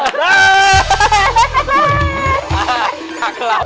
มาที่ข้างหลัง